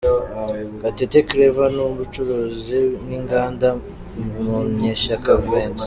Gatete Claver n’uw’Ubucuruzi n’Inganda, Munyeshyaka Vincent.